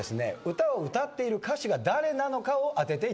歌を歌っている歌手が誰なのかを当てていただきます。